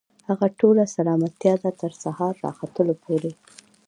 هغه ټوله سلامتيا ده، تر سهار راختلو پوري